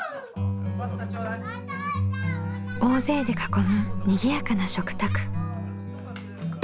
大勢で囲むにぎやかな食卓。